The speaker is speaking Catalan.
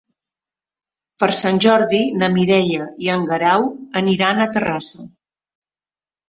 Per Sant Jordi na Mireia i en Guerau aniran a Terrassa.